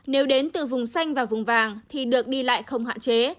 nếu đến từ vùng xanh và vùng vàng thì được đi lại không hạn chế